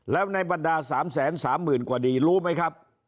แล้วในบรรดา๓๓๐๐๐กว่าดีรู้ไหมครับ